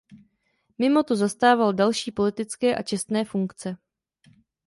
Mimo to zastával další politické a čestné funkce.